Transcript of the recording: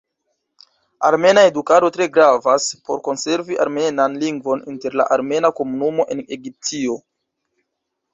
Armena edukado tre gravas por konservi armenan lingvon inter la armena komunumo en Egiptio.